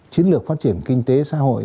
chiến lược phát triển kinh tế xã hội